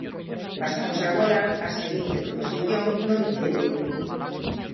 Pasamos agora á seguinte proposición non de lei.